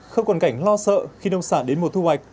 không còn cảnh lo sợ khi nông sản đến mùa thu hoạch